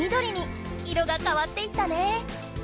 色が変わっていったね。